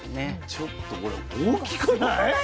ちょっとこれ大きくない？